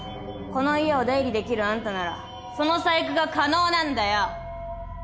この家を出入りできるあんたならその細工が可能なんだよ。